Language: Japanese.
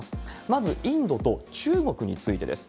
まずインドと中国についてです。